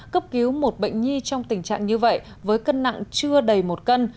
cấp cứu một bệnh nhi trong tình trạng như vậy với cân nặng chưa đầy một cân